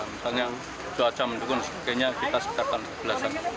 misalnya cuaca mendukung sepertinya kita sekitar tanggal enam belas